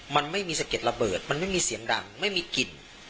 มันไม่มีสะเก็ดระเบิดมันไม่มีเสียงดังไม่มีกลิ่น